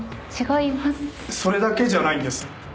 それだけじゃないんです。